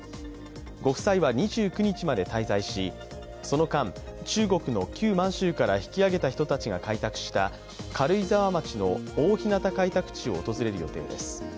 ご夫妻は２９日まで滞在し、その間、中国の旧満州から引き上げた人たちが開拓した軽井沢町の大日向開拓地を訪れる予定です。